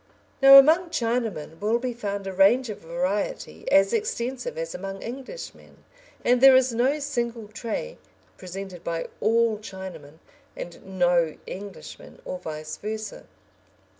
Now among Chinamen will be found a range of variety as extensive as among Englishmen, and there is no single trait presented by all Chinamen and no Englishman, or vice versa.